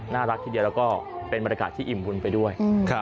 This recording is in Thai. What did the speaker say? น่ารักทีเดียวแล้วก็เป็นบรรยากาศที่อิ่มบุญไปด้วย